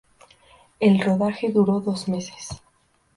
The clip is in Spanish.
El rodaje duró dos meses.